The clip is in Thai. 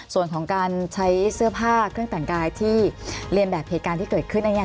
ส่วนของการใช้เสื้อผ้าเครื่องแต่งกายที่เรียนแบบเหตุการณ์ที่เกิดขึ้นอันนี้